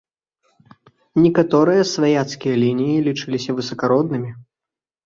Некаторыя сваяцкія лініі лічыліся высакароднымі.